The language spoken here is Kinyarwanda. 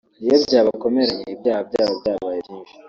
iyo byabakomeranye ibyaha byabo byabaye byinshi